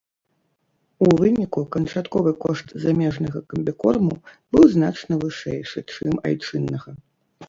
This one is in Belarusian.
У выніку канчатковы кошт замежнага камбікорму быў значна вышэйшы, чым айчыннага.